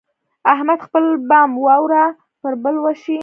احمد خپل بام واوره پر بل وشي.